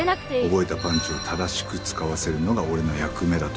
覚えたパンチを正しく使わせるのが俺の役目だと思ってる。